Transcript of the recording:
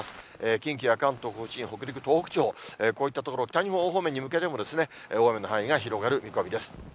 近畿や関東甲信、北陸、東北地方、こういった所、北日本方面に向けても大雨の範囲が広がる見込みです。